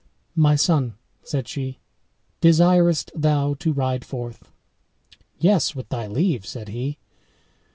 "My son," said she, "desirest thou to ride forth?" "Yes, with thy leave," said he.